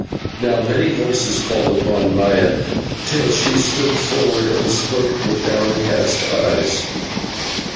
Now many voices called upon Maya, and she stood forward and spoke, with downcast eyes.